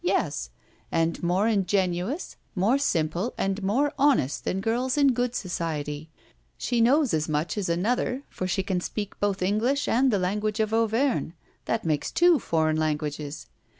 Yes! And more ingenuous, more simple, and more honest than girls in good society. She knows as much as another, for she can speak both English and the language of Auvergne that makes two foreign languages.